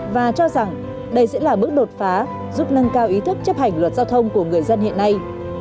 và cho rằng đây sẽ là bước đột phá giúp nâng cao ý thức chấp hành luật giao thông của người dân hiện nay